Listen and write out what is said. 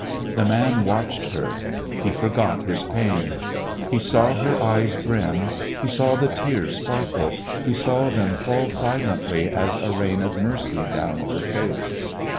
The man watched her. He forgot his pain. He saw her eyes hrim, he saw the tears sparkle, he saw them fall silently as a rain of mercy down her face.